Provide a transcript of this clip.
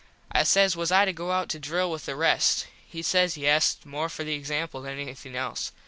I says was I to go out to drill with the rest. He said yes more for the example than anything else.